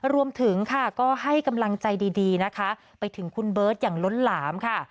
รวมถึงค่ะก็ให้กำลังใจดีนะคะไปถึงคุณเบิร์ตอย่างล้นหลามค่ะ